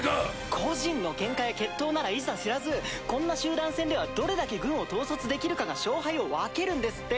個人のケンカや決闘ならいざ知らずこんな集団戦ではどれだけ軍を統率できるかが勝敗を分けるんですって！